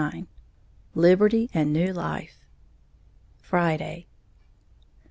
XXIX LIBERTY AND NEW LIFE _Friday.